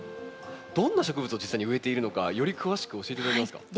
どんな植物を実際に植えているのかより詳しく教えて頂けますか？